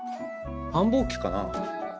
繁忙期かな？